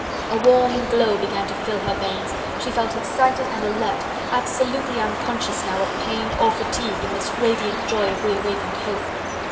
A warm glow began to fill her veins, she felt excited and alert, absolutely unconscious now of pain or fatigue, in this radiant joy of reawakened hope.